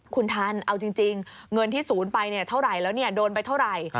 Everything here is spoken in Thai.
คุณทันเอาจริงเงินที่ศูนย์ไปเท่าไหร่แล้วโดนไปเท่าไหร่